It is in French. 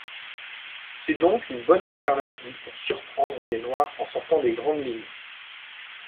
C'est donc une bonne alternative pour surprendre les noirs en sortant des grandes lignes.